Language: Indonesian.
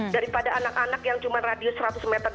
daripada anak anak yang cuma radius seratus m dua ratus m